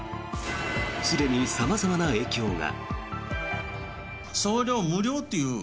すでに様々な影響が。